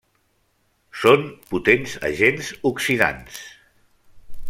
Són potents agents oxidants.